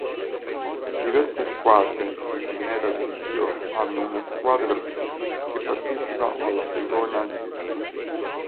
Diverse squadre di Primera Divisió hanno una "Squadra B" che partecipa alla Segona Divisió.